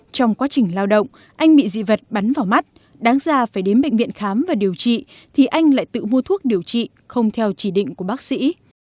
trong quá trình lao động anh bị dị vật bắn vào mắt đáng ra phải đến bệnh viện khám và điều trị thì anh lại tự mua thuốc điều trị không theo chỉ định của bác sĩ